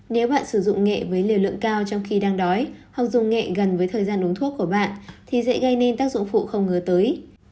nếu bạn sử dụng nghệ với liều lượng cao trong khi đang đói hoặc dùng nhẹ gần với thời gian uống thuốc của bạn thì dễ gây nên tác dụng phụ không ngờ tới